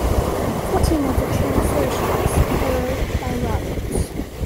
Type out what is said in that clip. Fourteen of the translations were by Roberts.